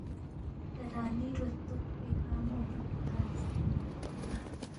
تران٘ی روستوت پیکھہ مُہر پو تنگس